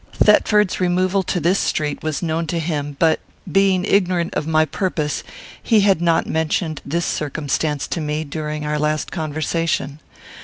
Thetford's removal to this street was known to him; but, being ignorant of my purpose, he had not mentioned this circumstance to me, during our last conversation.